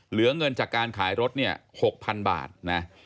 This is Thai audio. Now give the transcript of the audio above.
เหลือเงินจากการขายรถเนี่ย๖๐๐๐บาทนะ